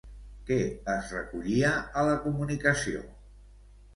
Què es recollia a la comunicació?